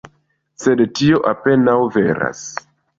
Sed tio apenaŭ veras.